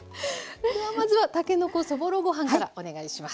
まずはたけのこそぼろご飯からお願いします。